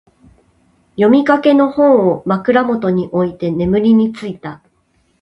読みかけの本を、枕元に置いて眠りについた。